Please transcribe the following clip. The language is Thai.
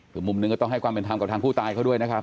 คือมุมหนึ่งก็ต้องให้ความเป็นธรรมกับทางผู้ตายเขาด้วยนะครับ